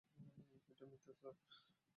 এটা মিথ্যা, স্যার।